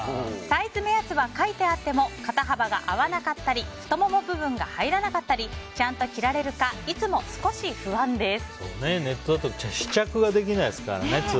サイズ目安は書いてあっても肩幅が合わなかったり太もも部分が入らなかったりちゃんと着られるかいつも少し不安です。